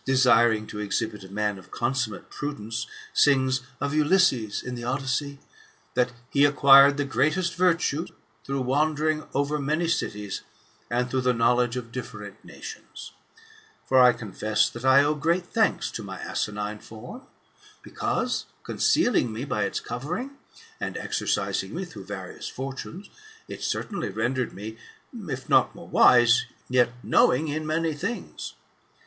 Homer], desiring to exhibit a man of consummate prudence, sings [of Ulysses, in the Odyssey] " that he acquired the greatest virtues through wandering over many cities, and through the knowledge of different nations." 150 THE IfSTAMORPHOSIS, OR For I confess that I owe great thanks to my asinine form, because, concealing me by its covering, and exercising nie through various fortunes, it certainly rendered me, if not more wise, yet knowing in many things.